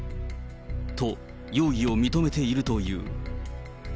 と、容疑を認めているという。